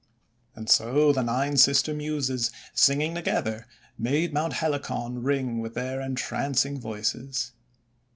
And so the Nine Sister Muses, singing together, made Mount Helicon ring with their entrancing voices.